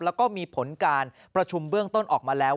แล้วก็มีผลการประชุมเบื้องต้นออกมาแล้ว